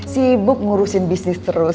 sibuk ngurusin bisnis terus